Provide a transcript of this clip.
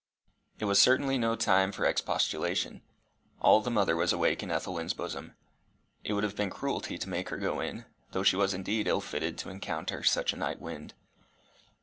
It was certainly no time for expostulation. All the mother was awake in Ethelwyn's bosom. It would have been cruelty to make her go in, though she was indeed ill fitted to encounter such a night wind.